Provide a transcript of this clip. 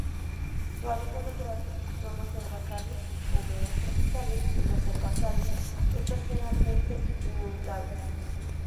Su hábitat natural son los herbazales húmedos tropicales y los herbazales estacionalmente inundables.